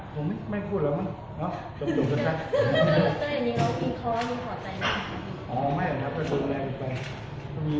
บทเผ็ดออกบ้านมั้ยเนี้ยอ๋อ